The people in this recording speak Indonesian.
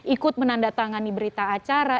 ikut menandatangani berita acara